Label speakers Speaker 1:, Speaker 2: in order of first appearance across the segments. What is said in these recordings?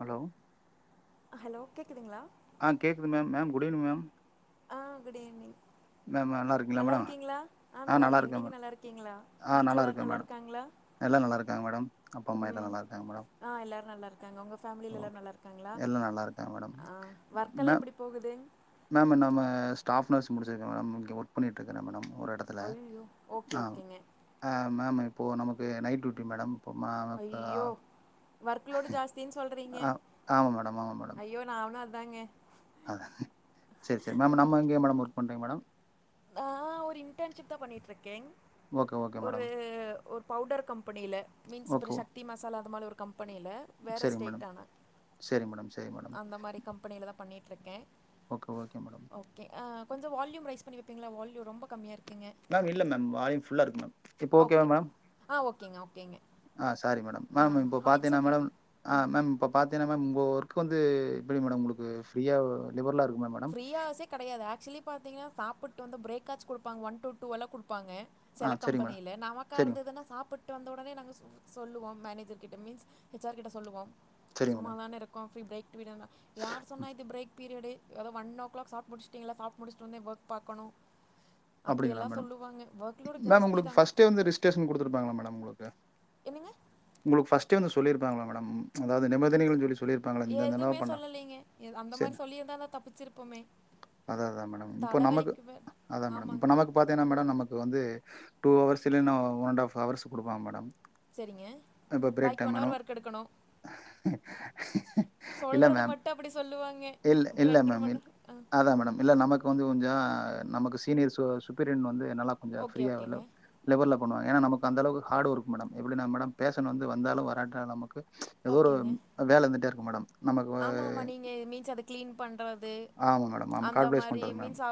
Speaker 1: Hello
Speaker 2: hello கேக்குதுங்ளா
Speaker 1: ஆ கேக்குது ma'am ma'am good evening ma'am
Speaker 2: ஆ குட் ஈவினிங்
Speaker 1: மேம் இருக்கீங்களா
Speaker 2: நல்லா
Speaker 1: மேடம்
Speaker 2: இருக்கீங்ளா ஆ நல்லா இருக்க நீங்க நல்லா இருக்கீங்ளா
Speaker 1: ஆ
Speaker 2: வீட்ல எல்லாரு
Speaker 1: இருக்கேன்
Speaker 2: நல்லா
Speaker 1: மேடம்
Speaker 2: இருக்காங்ளா
Speaker 1: எல்லா நல்லா இருக்காங்க மேடம் அப்பா அம்மா எல்லா நல்லா இருக்காங்க மேடம்
Speaker 2: ஆ எல்லாரு நல்லா இரு க்காங்க உங்க ஃபேமிலியில
Speaker 1: ஓ
Speaker 2: எல்லாரு நல்லா இருக்காங்களா
Speaker 1: எல்லா நல்லா இருக்காங்க மேடம்
Speaker 2: ஆ வர்க்கலா
Speaker 1: மேம்
Speaker 2: எப்டி போகுது
Speaker 1: மேம் நம்ம ஸ்டாப் நர்ஸ் முடிச்சிருக்க மேடம் இங்க ஒர்க் பண்ணிட்டு இருக்கற மேடம் ஒரு எட த்ல
Speaker 2: ஐயோ ஓகே
Speaker 1: ஆவ்
Speaker 2: ஓகேங்க
Speaker 1: அ மேம் இப்போ நமக்கு நைட் டியூட்டி மேடம் போமனக்கா
Speaker 2: ஐயோ ஒர்க் லோடு ஜாஸ்தின்னு சொல்றீங்க
Speaker 1: ஆ ஆமா மேடம்
Speaker 2: ஐயோ நானு அதாங்க
Speaker 1: அத செரி செரி மேம் நம்ம எங்கேய மேடம் ஒர்க் பண்றோங்க மேடம்
Speaker 2: ஆ ஒரு இன்டர்ன்ஷிப் தா பண்ணிட்டுருக்கேன்
Speaker 1: ஓகே ஓகே
Speaker 2: ஒரு
Speaker 1: மேடம்
Speaker 2: ஒர் பவுடர் கம்பெனியில மீன்ஸ்
Speaker 1: ஓகே
Speaker 2: இப்போ சக்தி மசாலா அது மாலு ஒரு கம்பெனில வேற
Speaker 1: சரிங்க மேடம்
Speaker 2: ஸ்டேட்டான
Speaker 1: சரி மேடம் சரி மேடம்
Speaker 2: அந்த மாரி கம்பெனியில தா பண்ணிட்டுருக்க
Speaker 1: ஓகே ஓகே மேடம்
Speaker 2: ஓகே அ கொஞ்சம் வால்யூம் ரேஸ் பண்ணி வப்பிங்ளா வால்யூம் ரொம்ப கம்மியா இருக்
Speaker 1: மேம் இல்ல மேம் வால்யூம் புல்லா இருக்கு மேம் இப்போ ஓகேவா
Speaker 2: ஓகே
Speaker 1: மேம்
Speaker 2: ஆ ஓகேங்க ஓகேங்க
Speaker 1: ஆ சாரி மேடம் மேம் இப்ப
Speaker 2: ஆ இட்ஸ்
Speaker 1: பாத்தீன்னா
Speaker 2: ஓகே
Speaker 1: மேடம் ஆ மேம் இப்ப பாத்தீங்னா மேம் உங்க ஒர்க்கு வந்து எப்டி மேடம் குடுக்கிறது ஃப்ரீயாவோ இந்தவுர்லா இருக்கு ம ம
Speaker 2: ஃப்ரீ ஹவர்சே கெடையாது ஆக்சுவலி பாத்தீங்னா சாப்புட்டு வந்து பிரேக்காச்சு குடுப்பாங்க ஒன் டு டூலா குடுப்பாங்க
Speaker 1: ஆ
Speaker 2: செல
Speaker 1: சரிங்க மேடம்
Speaker 2: கம்பெனில நமக்கா
Speaker 1: சரிங்க
Speaker 2: இருந்ததுனா சாப்ட்டு ட்டு வந்த உடனே நாங்க சொ சொல்லுவோ மேனேஜர் கிட்ட மீன்ஸ் ஹச்ஆர் கிட்ட சொல்லுவோ
Speaker 1: சரிங்க மேடம்
Speaker 2: சும்மாதானே இருக்கோ ஃப்ரீ பிரேக் பீரிடலா யார் சொன்னா இது பிரேக் பீரியடு எதோ ஒன் ஓ கிளாக் சாப்ப முடிச்சிட்டீங்களா சாப்ட்டு முடிந்து வந்து வொர்க் பாக்கணு
Speaker 1: அப்படிங்களா
Speaker 2: அப்டியெல்லா
Speaker 1: மேடம்
Speaker 2: சொல்லுவாங்க ஒர்க்லோடு
Speaker 1: மேம்
Speaker 2: ஜாஸ்தி தா
Speaker 1: உங்களுக்கு ஃபர்ஸ்ட்டே வந்து ரிஜிஸ்ட்ரேஷன் கொடுத்துருப்பாங்களா மேடம் உங்களுக்கு
Speaker 2: என்னங்க
Speaker 1: உங்களுக்கு ஃபர்ஸ்ட் டே வந்து சொல்லிருப்பாங்களா மேடம் அதாவது நிபந்தனைகள் சொல்லி சொல்லியிருப்பாங்களா இந்த
Speaker 2: எதுவுமே
Speaker 1: இதெல்லாம் பண்ண
Speaker 2: சொல்லலீங்க அந்த மாரி சொல்லியிருந்தா தா தப்பிச்சுருப்போமே
Speaker 1: அதா அதா மேடம் இப்ப நமக்கு அதா மேடம்
Speaker 2: ஆமாங்க
Speaker 1: இப்ப நம்ம க்கு பாத்தீங்கன்னா மேடம் நமக்கு வந்து டூ வர்ஸ் இல்லன்ன ஒன் அண்ட் ஆப் ஹவர்ஸ் குடுப்பாங்க மேடம்
Speaker 2: சேரிங்க பாக்கி ஒன் அவர் ஒர்க் எடுக்கணு
Speaker 1: இல்ல மேம்
Speaker 2: தா அப்டி சொல்லுவாங்க
Speaker 1: இல் இல்ல
Speaker 2: ரெண்ட்ர
Speaker 1: மேம்
Speaker 2: மண்
Speaker 1: இல்
Speaker 2: ஆ
Speaker 1: அதா மேடம் இல்ல நமக் கொஞ்சோ கொஞ்சோ நமக்கு சீனியர் சு சுப்பீரியன் வந்து நல்லா கொஞ்சோ
Speaker 2: ஓகே
Speaker 1: ஃப்ரீயா வெள்ல
Speaker 2: ஓகேங்க
Speaker 1: லெவல்ல பண்ணுவ ஏன்னா நமக்கு அந்தளவுக்கு ஹார்ட் ஒர்க் மேடம் எப்டினா மேடம் ஃபேஷன்ட் வந்து வந்தாலு வராட்டாலு நமக்கு எதோ ஒரு
Speaker 2: ஓகேங்க
Speaker 1: வேல இருந்துட்டே இருக்கு மேடம் நமக்கு
Speaker 2: ஆமா ஆமா நீங்க மீன்ஸ் அத கிளீன் பண்றது
Speaker 1: ஆமா மேடம். ஆமா.
Speaker 2: அந்த
Speaker 1: காட் பிளெஸ்
Speaker 2: மாரி
Speaker 1: பண்றது madam.
Speaker 2: Means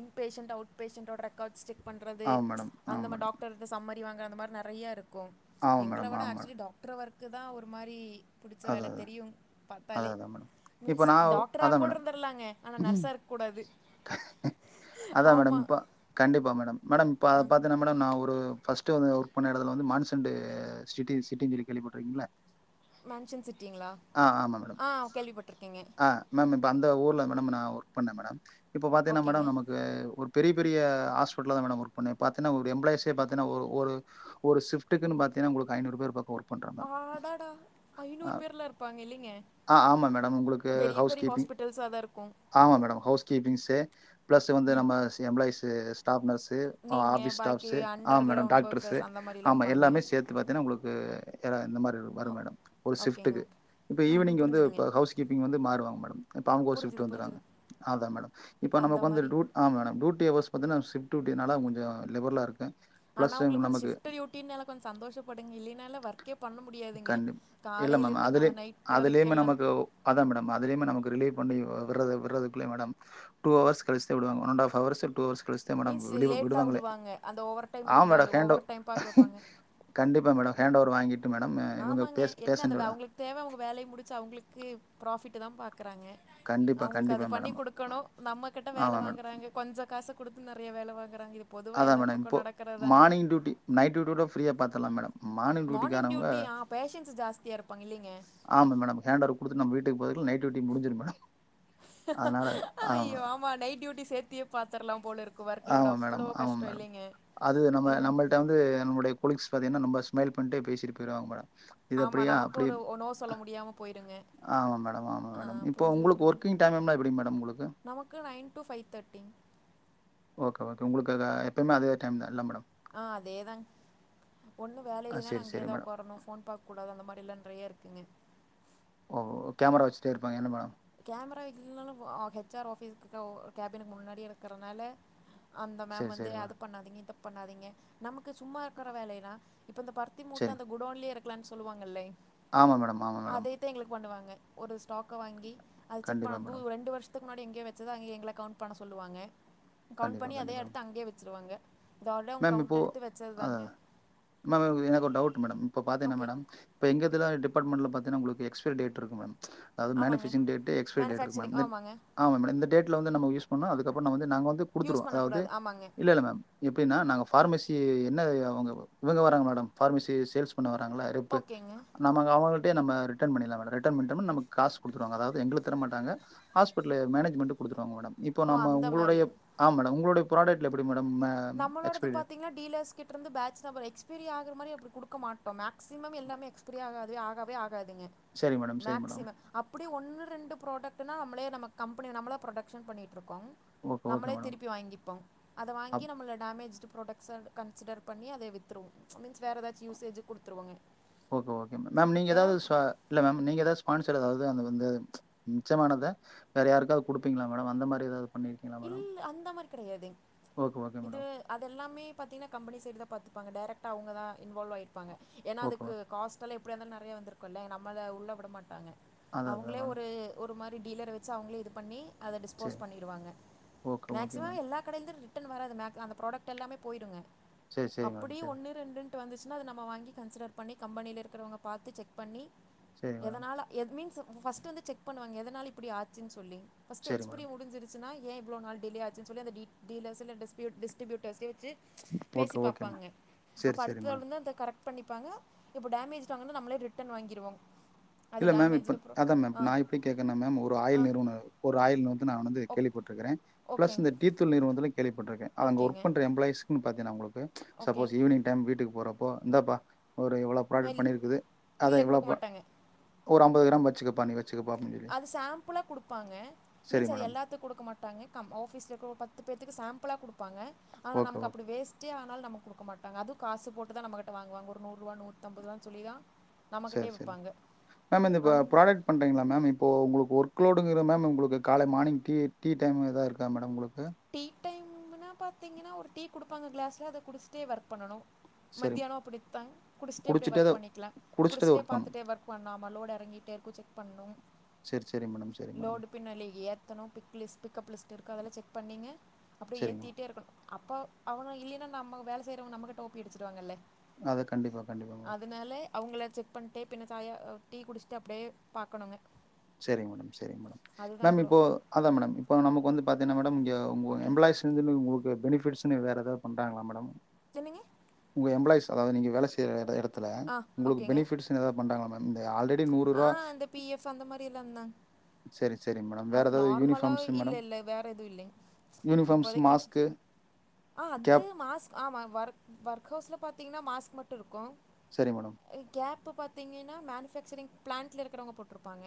Speaker 2: in patient out பேஷன்ட்டோட ரெக்கார்ட்ஸ் செக் பண்றது
Speaker 1: ஆமா மேடம். ஆமா
Speaker 2: அந்த மாரி
Speaker 1: மேடம்.
Speaker 2: டாக்டர் இந்த சம்மரி வாங்க அந்த மாரி நெறயாருக்கு
Speaker 1: ஆமா
Speaker 2: எங்கள
Speaker 1: மேடம்.
Speaker 2: விட
Speaker 1: ஆமா மேடம்.
Speaker 2: ஆக்சுவலி டாக்ட்டரு ஒர்க்கு தா ஒரு மாரி புடிச்ச வேல
Speaker 1: அதான் அதான்.
Speaker 2: தெரியு பாத்தாலே
Speaker 1: அதான் அதான் மேடம். இப்ப
Speaker 2: மீன்ஸ்
Speaker 1: நான்
Speaker 2: டாக்டரா
Speaker 1: அதான்
Speaker 2: கூட
Speaker 1: மேடம்.
Speaker 2: இருந்துடலாங்க ஆனா நர்ஸா இருக் கூடாது
Speaker 1: அதா
Speaker 2: ஆமா
Speaker 1: மேடம் இப்ப கண்டிப்பா மேடம் மேடம் இப்ப அத பாத்து இத்தன மேடம் நா ஒரு ஃபர்ஸ்ட் வந்து ஒர்க் பண்ண எடத்துல வந்து மான்சண்டு சிட்டி சிட்டின் சொல்லி கேள்விப்பட்டருக்கீங்கள
Speaker 2: மன்ஷன் சிட்டிங்ளா
Speaker 1: ஆமா மேடம்.
Speaker 2: ஆ கேள்விப்பட்ருக்கங்க
Speaker 1: ஆ மேம் இப்ப அந்த ஊர்ல மேடம் நா ஒர்க் பண்ண மேடம் இப்ப பாத்தீங்னா
Speaker 2: ஓகேங்க
Speaker 1: மேடம் நமக் இப்ப ஒரு பெரிய பெரிய ஆஸ்பிட்டல தா மேடம் ஒர்க் பண்ணுன பாத்தினா ஒரு எம்பளாய்ஸே பாத்தினா ஒரு ஒரு ஒரு சிப்ட்டுக்குன் பாத்திங்கனா உங்களுக்கு ஐநூறு பேர் பக்க வரு
Speaker 2: ஆடாடா ஐநூறு பேர்லா இருப்பாங்க இல்லைங்க
Speaker 1: ஆ ஆமா மேடம் உங்களுக்கு
Speaker 2: பெரிய
Speaker 1: ஹவுஸ்
Speaker 2: பெரிய
Speaker 1: கீப்பிங்
Speaker 2: ஹாஸ்பிட்டல்ஸா தா இருக்கு
Speaker 1: ஆமா மேடம் ஹவுஸ் கீப்பிங்ஸு பிளஸ் வந்து நம்ம எம்ப்ளாய்ஸு டாப் நர்ஸு
Speaker 2: நீங்க
Speaker 1: ஆபிஸ்
Speaker 2: பாக்கி
Speaker 1: ஸ்டாப்ஸ்ஸு ஆமா
Speaker 2: under
Speaker 1: madam
Speaker 2: ground
Speaker 1: doctors
Speaker 2: workers அந்த மாரிலா
Speaker 1: ஆமா
Speaker 2: இருப்பாங்க
Speaker 1: எல்லாமே சேத் து பாத்தீனா உங்களுக்கு யர இந்த மாரி இருக்கு வரு
Speaker 2: ஓ
Speaker 1: மேடம் ஒரு
Speaker 2: ஓகேங்க
Speaker 1: சிப்ட்டுக்கு இப்ப
Speaker 2: ம் ம்
Speaker 1: ஈவினிங் வந்து
Speaker 2: புரிஞ்சுதுங்க
Speaker 1: இப்ப ஹவுஸ் கீப் வந்து மாறுவாங்க மேடம் இப்ப அவங்க ஒரு
Speaker 2: புரிஞ்சுது
Speaker 1: ஷிப்ட்
Speaker 2: புரிஞ்சுது
Speaker 1: வந்துருவாங்க அதா மேடம் இப்ப
Speaker 2: அந்த
Speaker 1: நமக்கு வந்து
Speaker 2: மாரி
Speaker 1: ரூட் ஆமா மேடம் டியூட்டி அவர்ஸ் பாத்தினா ஷிப்ட் டியூட்டினால கொஞ்சோ லிபரளா இருக்க
Speaker 2: ஆனா உங்களுக் கொஞ்சோ ஷிப்ட் டியூட்டினால கொஞ்சோ சந்தோஷப்படுங்க இல்லைனால ஒர்க் கே பண்ண முடியாதுங்க
Speaker 1: கண்டி இல்ல
Speaker 2: காலைல
Speaker 1: மேம்
Speaker 2: இருந்து நா
Speaker 1: அதுலே
Speaker 2: நைட்
Speaker 1: அதுலயுமே
Speaker 2: வரைக்கெல்லா
Speaker 1: நமக்கு அதா மேடம் அதுலயுமே நமக்கு ரிலீவ் பண்ணி விடுற விடுறதுக்குள்ளயே மேடம் டூ அவர்ஸ் கழுச்சு தா விடுவாங்க ஒன்னன்டாஃப் அவர்ஸ் டூ அவர்ஸ் கழுச்சு இல்ல மேடம்
Speaker 2: மீன்ஸ்
Speaker 1: வெளில
Speaker 2: லேட்டா
Speaker 1: விடுவாங்களே
Speaker 2: விடுவாங்க அந்த ஓவர் டைம்
Speaker 1: ஆமா
Speaker 2: இருந்தாலு
Speaker 1: மேடம் ஹேண்டோர்
Speaker 2: ஓவர் டைம் பாக்க வைப்பாங்க
Speaker 1: கண்டிப்பா மேடம் ஹேண்ட் ஓவர் வாங்கிட்டு மேடம் இவங்க பே பேசண்ட விட
Speaker 2: தேவ அவங்க வேலய முடிச்சு அவங்களுக்கு ப்ராஃபிட்டு் தா பாக்குறாங்க
Speaker 1: கண்டிப்பா
Speaker 2: அவங்களுக்கு அது
Speaker 1: கண்டிப்பா
Speaker 2: பண்ணி
Speaker 1: மேடம்
Speaker 2: குடுக்கணு நம்ம கிட்ட வேல
Speaker 1: ஆமா மேடம்
Speaker 2: வாங்குறாங்க கொஞ்சோ காச குடுத்து நெறய வேல வாங்குறாங்க இ
Speaker 1: அதா மேடம் இப்போ மார்னி்ங் டியூட்டி நைட் டியூட்டிடோட ஃப்ரீயா பாத்துர்லா மேடம்
Speaker 2: மார்னிங் டியூட்டியா பேஷன்ட் ஜாஸ்தியா இருப்பாங்க இல்லைங்க
Speaker 1: ஆமா மேடம் ஹேண்டர் குடுத்துட்டு நம்ம வீட்டுக்கு போகயில நைட் டூட்டி முடிஞ்சிடு மேடம்
Speaker 2: ஐயோ ஆமா நைட் டியூட்டி சேர்த்தியே பாத்திரலா போல இருக்கு ஒர்க் லோடு
Speaker 1: ஆமா
Speaker 2: அவ்ளோ
Speaker 1: மேடம் ஆமா
Speaker 2: கஷ்ட
Speaker 1: மேடம்
Speaker 2: இல்லைங்க
Speaker 1: அது நம்ம நம்மள் ட்ட வந்து நம்முடைய கொளிக்ஸ பாத்தீங்கனா நம்ம ஸ்மைல் பண்ணிட்டே பேசிட்டு போயிருவாங்க மேடம் இது
Speaker 2: ஆமா
Speaker 1: அப்படியா
Speaker 2: நமக்கும்
Speaker 1: அப்படி
Speaker 2: ஒரு நோ சொல்ல முடியாம போயிருங்க
Speaker 1: ஆமா மேடம் ஆமா
Speaker 2: ஆ
Speaker 1: மேடம் இப்ப
Speaker 2: புரிஞ்சுது
Speaker 1: உங்களுக்கு
Speaker 2: புரிஞ்சுது
Speaker 1: ஒர்க்கிங் டைம்மம்லா எப்டி மேடம் உங்களுக்கு
Speaker 2: நமக்கு nine to five thirty
Speaker 1: okay okay உங்களுக்கு அதா எப்பமே அதே டைம் தா இல்ல மேடம்
Speaker 2: ஆ அதேதான்ங்க ஒன்னு வேல
Speaker 1: ஆ
Speaker 2: இல்லைன்னாலு
Speaker 1: சரி சரி
Speaker 2: அங்கயேதா
Speaker 1: மேடம்
Speaker 2: உக்காரணு ஃபோன் பாத் கூடாது அந்த மாரிலா ட்ரையா இருக்குங்க
Speaker 1: ஓ கேமரா வச்சிட்டே இருப்பாங்க என்ன மேடம்
Speaker 2: கேமரா இல்லனாலு கெச் ஆர் ஆஃபீஸ்கிட்ட கேபினுக்கு முன்னாடி எடுக்கறனால அந்த மேம்
Speaker 1: சரி
Speaker 2: வந்து
Speaker 1: சரி
Speaker 2: அத
Speaker 1: மேடம்
Speaker 2: பண்ணாதீங்க இத பண்ணாதீங்க நமக்கு சும்மா இருக்கற வேலைனா இப்போ இந்த ப ருத்தி மூட்ட அந்த குடோன்லயே இருக்கலான்னு சொல்லுவாங்ல்லீங்
Speaker 1: ஆமா மேடம் ஆமா மேடம்
Speaker 2: ட்டு எங்களுக்கு பண்ணுவாங்க ஒரு ஸ்டாக்க வாங்கி அத செக் பண்ண
Speaker 1: கண்டிப்பாக
Speaker 2: தூ
Speaker 1: மேடம்
Speaker 2: ரெண்டு வருஷ த்துக்கு முன்னாடி எங்யோ வெச்சத அங்க எங்கள கவுண்ட் பண்ண சொல்லுவாங்க கவுண்ட் பண்ணி
Speaker 1: கண்டிப்பாக
Speaker 2: அதே
Speaker 1: கண்டிப்பாக
Speaker 2: அடுத்து அங்கே வெச்சிருவாங்க
Speaker 1: மேம் இப்போ அதாதா மேம் எனக்கு ஒரு டவுட் மேடம் இப்போ பாத்தீங்னா
Speaker 2: ஓகே
Speaker 1: மேடம் இப்ப எங்கதுல டிப்பார்ட்மெண்ட்ல பாத்திங்னா உங்களுக்கு எக்ஸ்பைரி டேட் இருக்கு மேம் அது
Speaker 2: ஆமாங்க
Speaker 1: மேனுஃபேக்சரிங் டேட் எக்ஸ்பையரி டேட் இருக்கு மேம்
Speaker 2: மேனுஃபேக்சரிங் ஆமாங்க
Speaker 1: ஆமா மேம் இந்த டேட்ல வந்து நம்ம யூஸ் பண்ணா அதுக்கப்றோ நம் வந்து நாங்க வந்து
Speaker 2: யூஸ்
Speaker 1: குடுத்துருவோ அதாவது
Speaker 2: பண்ணக்கூடாது ஆமாங்க
Speaker 1: இல்லல்ல மேம் எப்டினா நாங்க பார்மசி என்ன அவுங்க இவுங்க வராங்க மேடம் பார்மசி சேல்ஸ் பண்ண வராங்கல்ல ரெப்பு
Speaker 2: ஓகேங்க
Speaker 1: நமக்கு அவுங்கிட்டயே நம்ம ரிட்டன் பண்ணிர்லா மேடம் ரிட்டன் பண்ணிட்டம்னா நமக்கு காசு குடுத்துருவாங்க அதாவது எங்களுக்கு தர மாட்டாங்க ஆஸ்பெட்டல மேனேஜ்மெண்ட்டு குடுத்துருவாங்க மேடம் இப்போ
Speaker 2: ஓ
Speaker 1: நம்ம
Speaker 2: அந்த மாதிரி
Speaker 1: உங்களுடைய ஆ மேடம் உங்களுடைய ப்ராடெக்ல்லா எப்டி மேடம்
Speaker 2: நம்மளோடது
Speaker 1: எக்ஸ்பைரி டேட்.
Speaker 2: பாத்தீங்கன்னா டீலர்ஸ் கிட்ட இருந்து பேச் நம்பர் எக்ஸ்பீரி ஆகற மாரி அப்டி குடுக்க மாட்டோ மேக்ஸிமம் எல்லாமே எக்ஸ்பைரி ஆகாது ஆகவே ஆகாதுங்க
Speaker 1: சரி மேடம், சரி மேடம்.
Speaker 2: மேக்ஸிமம் அப்டி ஒன்னு ரெண்டு புராடக்ட்னா நம்மளே நம்ம கம்பெனி நம்மளா ப்ரொடக்ஷன் பண்ணிட்டு இருக்கோ
Speaker 1: ஓகே, ஓகே
Speaker 2: நம்மளே
Speaker 1: மேடம்.
Speaker 2: திருப்பி வாங்கிப்பங் அத வாங்
Speaker 1: அப்
Speaker 2: கி நம்மள டேமேஜ்டு ப்ராடக்ட்ஸ் கன்சிடர் பண்ணி அத வித்துருவோ மீன்ஸ் வேற எதாச்சு யூசேஜ்க்கு குடுத்துருவங்க
Speaker 1: ஓகே ஓகே மேம் மேம் நீங்க எதாவது சு இல்ல மேம் நீங்க எதா ஸ்பான்சர் அதாவது அந்த வந்து மிச்சமானத வேற யாருக்காவது குடுப்பீங்ளா மேடம் அந்த மாரி எதாவது பண்ணிரு
Speaker 2: இல்ல அந்த மாதிரி கெடையாதுங்
Speaker 1: ஓகே, ஓகே
Speaker 2: இது
Speaker 1: மேடம்.
Speaker 2: அதெல்லாமே பாத்தீனா காம்பெனி சைடுதா பாத்துப்பாங்க டைரக்டா அவங்கதான் இன்வால்வாய் இருப்பாங்க ஏனா
Speaker 1: ஓகே
Speaker 2: அதுக்கு
Speaker 1: மேம்.
Speaker 2: காஸ்ட் எல்லா எப்டியா இருந்தாலு நெறையா வந்திருக்குல்ல நம்மள உள்ள விட மாட்டாங்க
Speaker 1: அதான், அதான்
Speaker 2: அவுங்ளே
Speaker 1: மேடம்.
Speaker 2: ஒரு ஒரு மாரி டீலர வெச்சி அவுங்களே இது பண்ணி அத
Speaker 1: சரி.
Speaker 2: டிஸ்போஸ் பண்ணிருவாங்க
Speaker 1: ஓகே, ஓகே
Speaker 2: மேக்சிமம்
Speaker 1: மேம்.
Speaker 2: எல்லா கடைலந்து ரிட்டன் வராது மேக் அந்த புராடக்ட் எல்லாமே போயிடுங்க
Speaker 1: சரி, சரி மேடம்.
Speaker 2: அப்டியே
Speaker 1: சரி,
Speaker 2: ஒன்னு ரெண்டுனு ட்டு வந்துச்சுன்னா அது நம்ம வாங்கி கன்சிடர் பண்ணி கம்பெனில் இருக்கறவங்க பாத்து செக் பண்ணி
Speaker 1: சரி மேடம்.
Speaker 2: எதனால எது மீன்ஸ் ஃபர்ஸ்ட் வந்து செக் பண்ணுவாங்க எதனால இப்டி ஆச்சுன் சொல்லி் ஃபர்ஸ்ட்
Speaker 1: சரி
Speaker 2: எக்ஸ்பைரி
Speaker 1: மேடம்.
Speaker 2: முடிஞ்ச்சிருச்சுன்னா ஏன் இவ்ளோ நாள் டிலே ஆச்சுனு சொல்லி அந்த டீலர்ஸ் இல்ல டிஸ்டிபியூட்டர்ஸே வெச்சு
Speaker 1: ஓகே,
Speaker 2: பேசி
Speaker 1: ஓகே
Speaker 2: பாப்பாங்க
Speaker 1: மேம்.
Speaker 2: அப்ப
Speaker 1: சரி, சரி மேடம்.
Speaker 2: அடுத்தொளந்து அந்த கரெக்ட் பண்ணிப்பாங்க இப்ப டேமேஜ்டு வாங்னா நம்ளே ரிட்டர்ன் வாங்கிருவோங்
Speaker 1: இல்ல மேம் இப்ப அதான் மேம் நா எப்டி கேக்கறனா மேம் ஒரு
Speaker 2: ஆ
Speaker 1: ஆயில் நிறுவனோ ஒரு ஆயில் நிறுவ நா வந்து
Speaker 2: ஓக்
Speaker 1: கேள்விப்பட் டிருக்கிற பிளஸ்
Speaker 2: ஓகேங்க
Speaker 1: இந்த டீத்தூள் நிறுவனத்தில கேள்விப்பட்டிருக்க அது அங்க
Speaker 2: ஓகேங்க
Speaker 1: ஒர்க் பண்ற எம்ப்ளாய்ஸ்க்குன்னு பாத்தீனா உங்களுக்கு சப்போஸ்
Speaker 2: ஓகேங்க
Speaker 1: ஈவினிங் டைம் வீட்டுக்கு போறப்போ இந்தாப்பா ஒரு இவ்ளோ
Speaker 2: ஆ
Speaker 1: ப்ராடக்ட்
Speaker 2: இல்
Speaker 1: பண்ணியிருக்குது அத
Speaker 2: இல்லை
Speaker 1: இவ்ளோ
Speaker 2: கொடுக்க மாட்டாங்க
Speaker 1: ஒரு அம்பது கிராம் வெச்சுக்க பா நீ வெச் சுக்கப்பா அப்டின் சொல்லி
Speaker 2: அது சாம்பிளா குடுப்பாங்க
Speaker 1: சரி
Speaker 2: மீன்ஸா அது
Speaker 1: மேடம்
Speaker 2: எல்லா த்துக்கு குடுக்க மாட்டாங்க கம் ஆஃபீஸ்ல்ல இருக்க ஒரு பத்து பேத்துக்கு சாம்பிளா குடுப்பாங்க ஆனா
Speaker 1: ஓகே
Speaker 2: நமக்கு
Speaker 1: ஓகே
Speaker 2: அப்டி வேஸ் டே ஆனாலு நமக்கு குடுக்க மாட்டாங்க அது காசு போட்டுதா நம்மகிட்ட வாங்குவங்க ஒரு நூறு ருபா நூத்தம்பது ரூாபானு சொல்லிதா
Speaker 1: சேரி சேரி மேம் இந்த இ
Speaker 2: அந்த
Speaker 1: ப்ராடக்ட் பண்ணறீங்ளா மேம் இப்போ உங்களுக்கு ஒர்க்லோடுங்கிற மேம் உங்களுக்கு காலை மார்னிங் டீ டீ டைமு எதா இருக்கா மேடம் உங்களுக்கு
Speaker 2: டீ டைம்னா பாத்தீங்னா ஒரு டீ குடுப்பாங்க கிளாஸ்ல அத குடிச்சிட்டே ஒர்க் பண்ணணு
Speaker 1: சரி
Speaker 2: மத்தியானோ அப்படித்தான் குடிச்சுட்டே அப்டியே
Speaker 1: குடிச்சிட்டே
Speaker 2: ஒர்க்
Speaker 1: தான்
Speaker 2: பண்ணிக்கலா
Speaker 1: குடிச்சிட்டே தான்
Speaker 2: குடிச்சுட்டே
Speaker 1: ஒர்க் பண்ணும்
Speaker 2: பாத்துட்டே ஒர்க் பண்ணாமல் லோட் எறங்கிட்டே இருக்கு செக் பண்ணும்
Speaker 1: சேரி சேரி மேடம் சேரிங்க மேடம்
Speaker 2: பின்னால ஏத்தணு பிக் லிஸ் பிக்கப் லிஸ்ட் இருக்கு அதெல்லா செக் பண்ணீங்க அப்டியே
Speaker 1: சரிங்க மேடம்
Speaker 2: ஏத்திட்டே இருக்கணு அப்போ அவனு இல்லைன்னா நம்ம வேலை செய்றவங்க நம்மக்கிட்ட ஓ பி அடிச்சுடுவாங்கல்ல
Speaker 1: அதை கண்டிப்பாக கண்டிப்பாக மேடம்
Speaker 2: அதனால அவுங்கள செக் பண்ட்டே பின்ன தாயா டீ குடிச்சுட்டு அப்டே பாக்கணுங்க
Speaker 1: சேரிங்க மேடம் சேரிங்க மேடம் மேம்
Speaker 2: அவ்வளோ
Speaker 1: இப்போ அதா மேடம் இப்போ நமக்கு வந்து பாத்தீங்கனா மேடம் இங்க உங்க
Speaker 2: ஓகேங்க
Speaker 1: எம்ப்ளாய்ஸ் இதுனு ஒகே பெனிஃபிட்ஸ்னு வேற எதாவது பண்றாங்களா மேடம்
Speaker 2: என்னங்க
Speaker 1: உங்க எம்ப்ளாய்ஸ் அதாவது நீங்க வேல செய்ற எட எடத்துல
Speaker 2: ஆ
Speaker 1: உங்களுக்கு
Speaker 2: ஓகேங்க
Speaker 1: பெனிஃபிட்ஸ்னு எதா பண்றாங்களா மேம் இந்த ஆல்ரெடி நூறு
Speaker 2: ஆ
Speaker 1: ரூவா
Speaker 2: இந்த பிஎஃப் அந்த மாரிலாந்தாங்
Speaker 1: சரி சரிங்க மேடம் வேற
Speaker 2: அது
Speaker 1: ஏதாவது
Speaker 2: நர்மலா
Speaker 1: யூனிஃபார்ம்ஸ்
Speaker 2: இல்ல
Speaker 1: மேடம்
Speaker 2: இல்ல வேற எதுவு இல்லைங்க
Speaker 1: யூனிஃபார்ம்ஸ்
Speaker 2: இப்போதக்கு
Speaker 1: மாஸ்க்கு
Speaker 2: ஆ அது
Speaker 1: கேப்
Speaker 2: மாஸ் ஆமா ஒர்க் ஒர்க் ஹவுஸ்ல பாத்தீங்கன்னா மாஸ்க் மட்டு இருக்கு
Speaker 1: சேரி மேடம்
Speaker 2: அ கேப்பு பாத்திங்கன்னா மேனுஃபேக்சரிங் பிளான்ட்ல இருக்கறவுங்க போட்ருப்பாங்க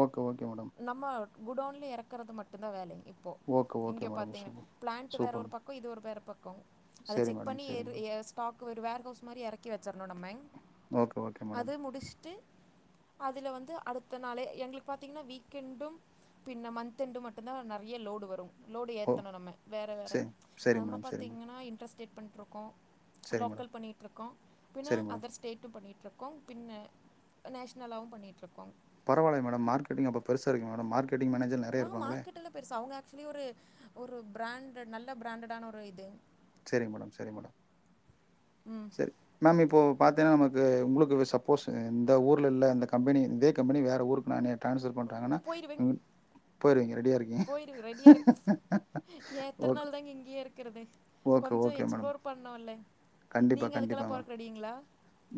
Speaker 1: ஓகே ஓகே மேடம்
Speaker 2: நம்ம குடோன்ல எறக்கறது மட்டுதா வேல இப்போ
Speaker 1: ஓகே ஓகே
Speaker 2: இங்கே
Speaker 1: மேடம்
Speaker 2: பாத்தீங்கன்னா
Speaker 1: சூப்பர்
Speaker 2: பிளான்ட்டு வேற
Speaker 1: சூப்பர்
Speaker 2: ஒரு
Speaker 1: மேடம்.
Speaker 2: பக் கோ இது ஒரு வேற பக்கோ அத
Speaker 1: சரி
Speaker 2: செக்
Speaker 1: மேடம்
Speaker 2: பண்ணி
Speaker 1: சரி
Speaker 2: ஏதோ
Speaker 1: மேடம்
Speaker 2: ஏ ஸ்டாக் கு ஒரு வேர்ஹவுஸ் மாரி எறக்கி வச்சிறணு நம்ம
Speaker 1: ஓகே ஓகே மேடம்
Speaker 2: அது முடிச்சுட்டு அதுல வந்து அடுத்த நாளே எங்களுக்கு பாத்தீங்கன்னா வீக்கெண்டும் பின்ன மந்த்யெண்டு மட்டுதா நறைய லோடு வரு லோடு
Speaker 1: ஓ
Speaker 2: ஏத்தணு நம்ம வேற வேற
Speaker 1: சரி சரி
Speaker 2: நம்ம
Speaker 1: மேடம் சரி மேடம்
Speaker 2: பாத்திங்கன்னா இன்ட்ரெஸ்டேட் பண்ட்டுருக்கோ
Speaker 1: சரி மேடம்
Speaker 2: லோக்கல் பண்ணிகிட்டு இருக்கோ பின
Speaker 1: சரி மேடம்
Speaker 2: அதர்ஸ் ஸ்டேட்டும் பண்ணிட்ருக்கோ பின்ன நேஷ்னலாவும் பண்ணிடுருக்கோ
Speaker 1: பரவாயில்லங் மேடம் மார்கெட்டிங் அப்ப பெருச இருக்கு மேடம் மார்கெட்டிங் மேனேஜர் நெறைய
Speaker 2: ஆ
Speaker 1: இருப்பாங்களே
Speaker 2: மார்க்ட்‌ எல்ல பெருசா அவுங்க ஆக்சுவலி ஒரு பிராண்டடு நல்ல பிராண்டடான ஒரு இது
Speaker 1: சேரிங்க மேடம் சேரி மேடம்
Speaker 2: ம்
Speaker 1: சரி மேம் இப்போ பாத்தீன்னா நமக்கு உங்களுக்கு சப்போஸ் இந்த ஊர்ல இல்ல இந்த கம்பெனி இதே கம்பனி வேற ஊருக்கு நா டிரான்ஸ்ஃபர் பண்றாங்கன்னா
Speaker 2: போயிடுவேன்
Speaker 1: போயிருவீங்க ரெடியா இருங்க
Speaker 2: போயிரு
Speaker 1: ஓ
Speaker 2: நாங்க இங்கே இருக் கறதே கொஞ்சோ
Speaker 1: மேடம்
Speaker 2: எக்ஸ்ப்ளோர் பண்ணோம்ல
Speaker 1: கண்டிப்பா
Speaker 2: நீங்க அதுக்கெல்லா
Speaker 1: கண்டிப்பா மேடம்
Speaker 2: போறக்கு ரெடிங்களா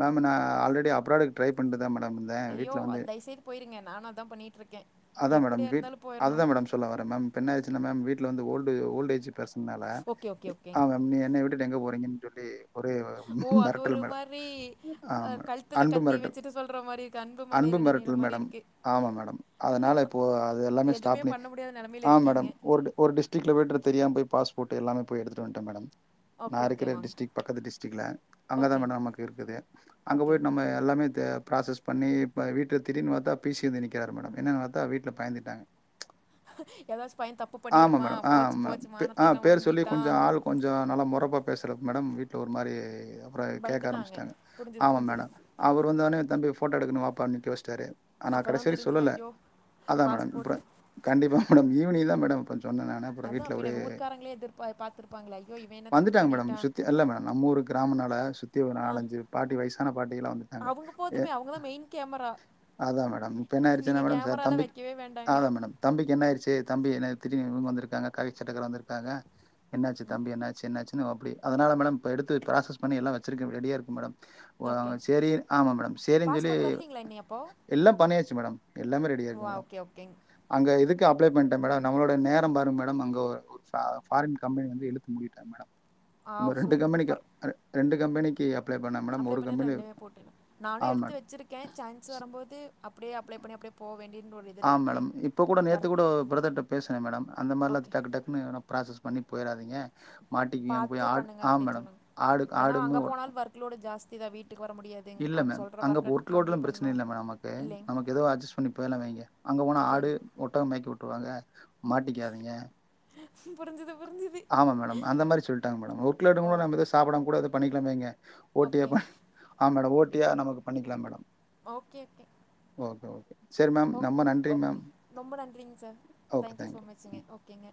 Speaker 1: மேம் நா ஆல்ரெடி அப்ராடு ட்ரை பண்ட்டுதா மேடம் இருந்தேன்
Speaker 2: ஐயோ
Speaker 1: வீட்டில்
Speaker 2: அ
Speaker 1: வந்து
Speaker 2: தயவுசெய்து போயிருங்க நானு அதா பண்ணிட்ருக்கே
Speaker 1: அதான் மேடம்
Speaker 2: எப்படியா
Speaker 1: வீட்
Speaker 2: இருந்தாலும் போயிடணு
Speaker 1: அதுதான் மேடம் சொல்ல வரே மேம் இப்ப என்னாய்ச்சுனா மேம் வீட்ல வந்து ஓல்டு ஓல்டு ஏஜ் ஃபர்சன் மேல
Speaker 2: ஓகே ஓகே ஓகே
Speaker 1: அவ நீ என்னைய விட்டுட்டு எங்க போறீங்கன்னு சொல்லி ஒரு
Speaker 2: ஓ அது
Speaker 1: மிரட்டல்
Speaker 2: ஒரு
Speaker 1: மேடம்
Speaker 2: மாரி அ
Speaker 1: ஆமா
Speaker 2: கழுத்துல
Speaker 1: அன்பு
Speaker 2: கத்தி
Speaker 1: மிரட்டல்
Speaker 2: வச்சுட்டு சொல்ற மாரி இருக்கு
Speaker 1: அன்பு
Speaker 2: மலையில நனையிற
Speaker 1: மிரட்டல்
Speaker 2: மாரி
Speaker 1: மேடம்
Speaker 2: இருக்கு
Speaker 1: ஆமா மேடம் அதனால இப்போ அது எல்லாமே ஸ்டாப்
Speaker 2: எதுவுமே
Speaker 1: பண்ணி
Speaker 2: பண்ண முடியாத நெலமையில
Speaker 1: ஆ
Speaker 2: இருக்கீங்க
Speaker 1: மேடம் ஒருடு ஒரு டிஸ்ட்டிக்ல போய்ட்ரு தெரியாம போய் பாஸ்போர்ட்டு எல்லாமே போய் எடுத்துட்டு வன்ட்ட மேடம்
Speaker 2: ஓகே ஓகேமா
Speaker 1: ஸ்டிக் பக்கத்து டிஸ்ட்க்கில் அங்க தா மேடம் நமக்கு இருக்குது அங்க
Speaker 2: ஓகேங்க
Speaker 1: போயிட்டு நம்ம எல்லாமே த ப்ராசஸ் பண்ணி இப்ப வீட்ல திடீர்னு பாத்த பிசி வந்து நிற்கிறார் மேடம் என்னன்னு பாத்தா வீட்ல பயந்துட்டாங்க
Speaker 2: ஏதாச்சு பைய தப்பு
Speaker 1: ஆமா
Speaker 2: பண்ணியிருப்பா
Speaker 1: மேடம் ஆமா
Speaker 2: போச்சு
Speaker 1: மேடம்
Speaker 2: போச்சு
Speaker 1: பே ஆ
Speaker 2: மானத்த எல்லா
Speaker 1: பேரு சொல்லி
Speaker 2: வாங்கிட்டா
Speaker 1: கொஞ்ச ஆளு கொஞ்ச நல்லா மொறப்பா பேசுறதுக்கு மேடம் வீட்ல ஒரு மாரி அப்பற கேக்க
Speaker 2: பயந்துட்டாங்க
Speaker 1: ஆரம்மிச்டாங்க
Speaker 2: புரிஞ்சுது
Speaker 1: ஆமா
Speaker 2: புரிஞ்சுது
Speaker 1: மேடம் அவரு வந்தோனே தம்பி ஃபோட்டோ எடுக்கனு வாப்பானு நிக்கவெச்சுட்டாரு ஆனா கடைசி
Speaker 2: அப்பதான்
Speaker 1: வரை
Speaker 2: தெரிஞ்சுது
Speaker 1: சொல்லல
Speaker 2: ஐயோ
Speaker 1: அதா மேடம் அப்ற
Speaker 2: பாஸ்போர்ட்டு
Speaker 1: கண்டிப்பா மேடம் ஈவ்னிங் தா மேடம் அப்பற சொன்ன நா
Speaker 2: அதா பின்ன ஊர்காரங்ளே எதிர்பா பாத்திருப்பாங்களே ஐயோ இவ என்ன தப்பு
Speaker 1: வந்துட்டாங்க மேடம்.
Speaker 2: பண்ணிட்டா
Speaker 1: சுத்தி இல்ல மேடம் நம்ம ஊரு கிராமனால சுத்தி ஒரு நாலஞ்சு பாட்டி வயசான பாட்டியெல்லா வந்துட்டாங்க
Speaker 2: அவுங்க போதுமே அவுங்கதா மெயின் கேமரா
Speaker 1: அதா மேடம் இப்ப என்ன ஆயிருச்சுனா
Speaker 2: நீங்க
Speaker 1: மேடம் சேர்
Speaker 2: கேமராலா
Speaker 1: தம்பிக்கு
Speaker 2: வைக்கவே வேண்டாங்க
Speaker 1: அதா மேடம் தம்பிக்கு என்ன ஆயிருச்சு தம்பி என்ன திடீர்னு இவ்ங்க வந்திருக்காங்க காக்கி சட்டக்கார வந்திருக்காங்க என்னாச்சு தம்பி என்னாச்சு என்னாச்சுனு அப்டி அதனால மேடம் இப்ப எடுத்து ப்ராசஸ் பண்ணி எல்லா வச்சுருக்க ரெடியா இருக்கு மேடம் ஓ
Speaker 2: ஓகே
Speaker 1: சேரி ஆமா மேடம் சேரின் சொல்லி
Speaker 2: பாஸ்போர்ட் வரலீங்களா இன்னி அப்போ
Speaker 1: எல்லா பண்ணியாச்சு மேடம் எல்லாமே ரெடியா இருக்கு
Speaker 2: அ
Speaker 1: மேடம்.
Speaker 2: ஓகே ஓகேங்
Speaker 1: அங்க இதுக்கு அப்ளே பண்ணிட்டே மேடம் நம்மளோட நேர பாருங்க மேடம் அங்க ஒரு சா ஃபாரின் கம்பெனி வந்து இழுத்து முடிட்டாங்க மேடம்
Speaker 2: ஆ
Speaker 1: இன்னு ரெண்டு கம்பெனிக்கு
Speaker 2: சூப்பர்
Speaker 1: அப் அர ரெண்டு கம்பெனிக்கு அப்
Speaker 2: அப்ளே பண்ணி ரெண்டுமே போட்ருங்க நானு
Speaker 1: ஆ
Speaker 2: எடுத்து
Speaker 1: மேடம்.
Speaker 2: வெச்சிருக் கே சான்ஸ் வரம்போது அப்டியே அப்ளை பண்ணி அப்டியே போ வேண்டியதுன் ஒரு
Speaker 1: ஆ
Speaker 2: இதுல
Speaker 1: மேடம்
Speaker 2: இருக்கேங்
Speaker 1: இப்போ கூட நேத்து கூட
Speaker 2: ஒர்க்கு
Speaker 1: ஒரு பிரதர்ட்ட பேசுனே மேடம் அந்த மார்ல்ல
Speaker 2: ஓகே
Speaker 1: டக்கு டக்கு னு எதனா ப்ராசஸ் பண்ணி போயிறாதீங்க மாட்டிக்குங்க அங்க
Speaker 2: பாத்து
Speaker 1: போய் ஆடு
Speaker 2: பண்ணுங்க
Speaker 1: ஆ மேடம் ஆடு ஆடுன்னு ஒன்
Speaker 2: க் லோடு ஜாஸ்தி தா வீட்டுக்கு வர முடியாது
Speaker 1: இல்ல மேம் அங்க ஒர்க் லோட்லா பிரச்சன இல்ல மே நமக்கு
Speaker 2: இல்லைங்
Speaker 1: நமக்கு எதோ அட்ஜஸ்ட் பண்ணி போயிர்லாங்க அங்கெ அங்க போன ஆடு
Speaker 2: சேரிங்
Speaker 1: ஒட்டக மேய்க்க விட்ருவாங்க மாட்டிக்காதீங்க
Speaker 2: புரிஞ்சுது புரிஞ்சுது
Speaker 1: ஆமா மேடம் அந்த மாரி சொல்ட்டாங்க மேடம் ஒர்க் லோடும்போது நம்ம
Speaker 2: ஓகே
Speaker 1: எது சாப்டாம கூட எதோ பண்ணிக்லானு வைங்க
Speaker 2: ஓகேங்
Speaker 1: ஓட்டியப்ப ஆ மேடம் ஓட்டியா நமக்கு பண்ணிக்லா madam
Speaker 2: okay okay
Speaker 1: okay okay சரி மேம்.
Speaker 2: ஓக்
Speaker 1: ரொம்ப நன்றி மேம்.
Speaker 2: ஓகே ரொம்ப நன்றிங்க sir
Speaker 1: okay
Speaker 2: thank you so
Speaker 1: thank you
Speaker 2: மச்சுங்க ஓகேங்க